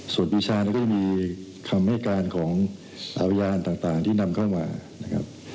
ส่วนปีชานี่ก็มีคำให้การของพยานต่างที่นำเข้ามานะครับ